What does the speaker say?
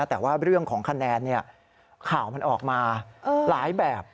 แต่ว่าร่วมของคะแนนเนี่ยข่าวมันออกมาหลายแบบ